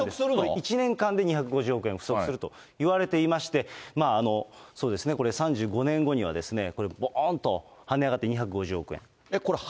１年間で２５０億円不足するといわれていまして、そうですね、これ３５年後にはこれ、ぼーんとはね上がって、２５０億円。